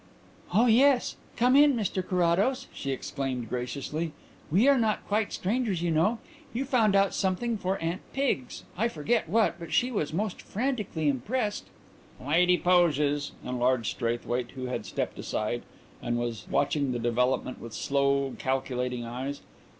"Oh yes; come in, Mr Carrados," she exclaimed graciously. "We are not quite strangers, you know. You found out something for Aunt Pigs; I forget what, but she was most frantically impressed." "Lady Poges," enlarged Straithwaite, who had stepped aside and was watching the development with slow, calculating eyes.